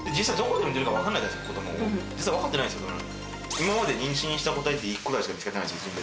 今まで妊娠した個体って１個くらいしか見つかってないんですよ